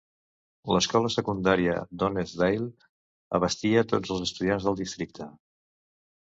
L'escola secundària d'Honesdale abastia tots els estudiants del districte.